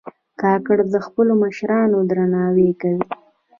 کاکړ د خپلو مشرانو درناوی کوي.